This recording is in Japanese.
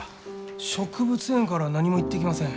植物園からは何も言ってきません。